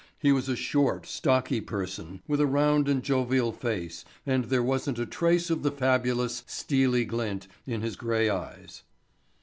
He was a short, stocky person with a round and jovial face and there wasn't a trace of the fabulous steely glint in his grey eyes.